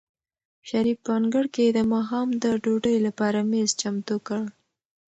شریف په انګړ کې د ماښام د ډوډۍ لپاره مېز چمتو کړ.